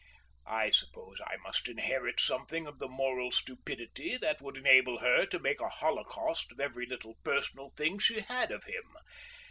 I suppose I must inherit something of the moral stupidity that would enable her to make a holocaust of every little personal thing she had of him.